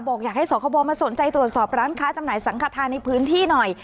อยากให้สคบมาสนใจตรวจสอบร้านค้าจำหน่ายสังขทานในพื้นที่หน่อย